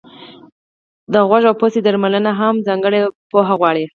د غوږ او پزې درملنه هم ځانګړې پوهه غواړي.